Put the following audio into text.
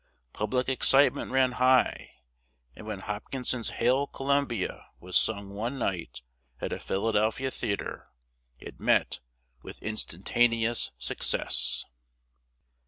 Public excitement ran high, and when Hopkinson's "Hail Columbia" was sung one night at a Philadelphia theatre, it met with instantaneous success.